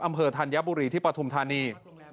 อำเภอธัญบุรีที่ปฐุมธานี